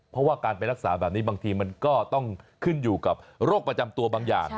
เพราะว่าการไปรักษาแบบนี้บางทีมันก็ต้องขึ้นอยู่กับโรคประจำตัวบางอย่าง